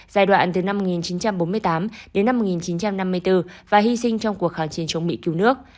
giai đoạn từ năm một nghìn chín trăm bốn mươi tám đến năm một nghìn chín trăm năm mươi bốn và hy sinh trong cuộc kháng chiến chống mỹ cứu nước